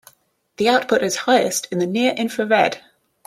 The output is highest in the near infrared.